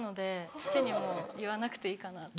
父にも言わなくていいかな。